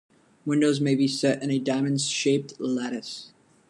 Windows may be set in a diamond-shaped lattice.